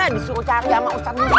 disuruh cari sama ustaz musa